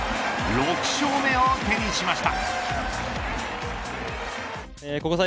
６勝目を手にしました。